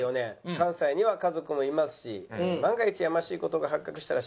関西には家族もいますし万が一やましい事が発覚したらシャレになりませんから。